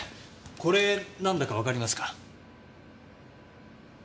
これなんだかわかりますか？